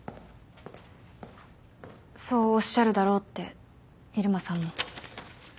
そうおっしゃるだろうって入間さんも。